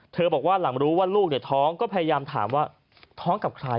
บอกว่าหลังรู้ว่าลูกท้องก็พยายามถามว่าท้องกับใคร